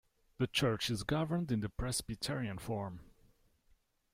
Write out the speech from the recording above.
The church is governed in the Presbyterian form.